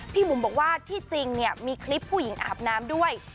บุ๋มบอกว่าที่จริงเนี่ยมีคลิปผู้หญิงอาบน้ำด้วย